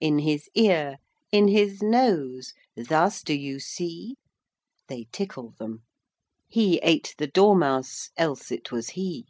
In his ear, in his nose, Thus do you see? [They tickle them.] He ate the dormouse Else it was he.